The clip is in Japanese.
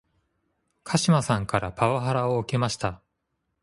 鹿島さんからパワハラを受けました